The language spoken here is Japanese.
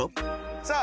さあ